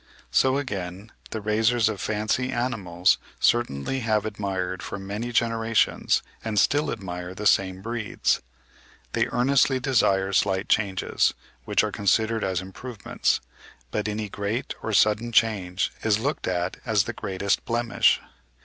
So again the raisers of fancy animals certainly have admired for many generations and still admire the same breeds; they earnestly desire slight changes, which are considered as improvements, but any great or sudden change is looked at as the greatest blemish.